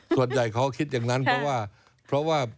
ส่วนใหญ่เขาคิดอย่างนั้นเพราะว่า